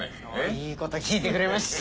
いいこと聞いてくれました！